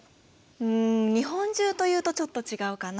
うん日本中というとちょっと違うかな。